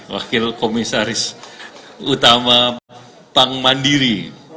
wakil komisaris utama pangmandiri